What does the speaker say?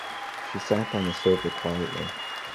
She sat on the sofa quietly.